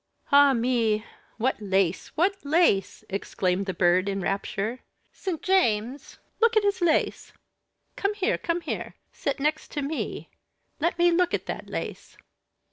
_" "Ah! me! what lace! what lace!" exclaimed the Bird in rapture. "St. James, look at his lace. Come here, come here, sit next me. Let me look at that lace."